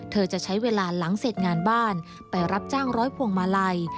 จะใช้เวลาหลังเสร็จงานบ้านไปรับจ้างร้อยพวงมาลัย